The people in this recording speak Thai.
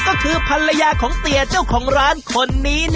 ก็คือภรรยาของเตรียเจ้าของร้าน